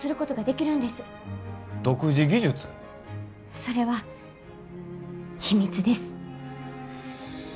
それは秘密です。